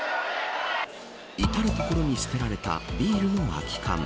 至る所に捨てられたビールの空き缶。